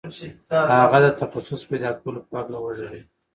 هغه د تخصص پیدا کولو په هکله وغږېد